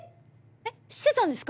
えっ知ってたんですか？